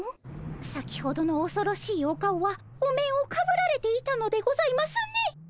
先ほどのおそろしいお顔はお面をかぶられていたのでございますね。